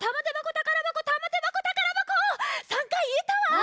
３かいいえたわ！